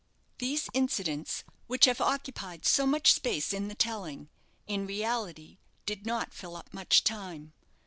These incidents, which have occupied so much space in the telling, in reality did not fill up much time.